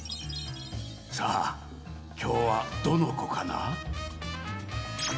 さあきょうはどのこかな？